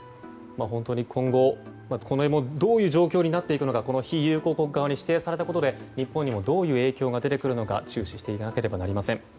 本当に今後どういう状況になっていくのか非友好国側に指定されたことで日本にどういう影響が出てくるのか注視していかなければなりません。